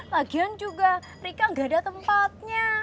lagian juga rika nggak ada tempatnya